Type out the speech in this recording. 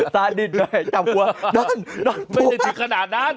ซ้านิดเลยจับหัวนอนนอนไม่ถึงขนาดนั้น